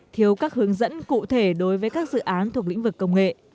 thiếu các hướng dẫn cụ thể đối với các dự án thuộc lĩnh vực công nghệ